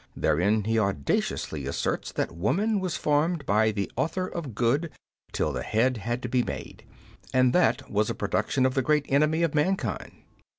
Therein he audaciously asserts that woman was formed by the Author of Good till the head had to be made, and that was a production of the great enemy of mankind.